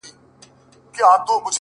جلوه مخي په گودر دي اموخته کړم”